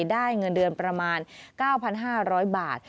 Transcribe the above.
ได้เงินเดือนประมาณ๙๕๐๐บาท